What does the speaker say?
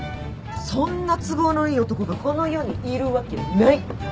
そんな都合のいい男がこの世にいるわけない！